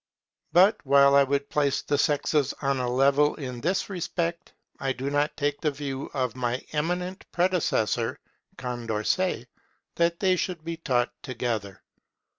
But while I would place the sexes on a level in this respect, I do not take the view of my eminent predecessor Condorcet, that they should be taught together.